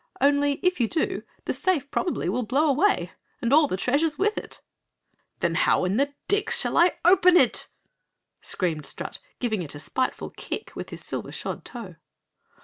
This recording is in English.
"Only if you do, the safe probably will blow away and all the treasures with it!" "Then how in the Dix shall I open it?" screamed Strut, giving it a spiteful kick with his silver shod toe.